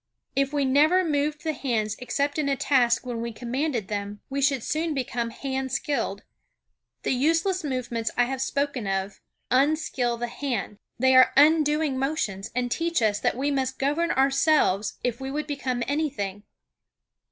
If we never moved the hands except in a task when we commanded them, we should soon become hand skilled. The useless movements I have spoken of _un_skill the hand. They are undoing motions, and teach us that we must govern ourselves if we would become anything.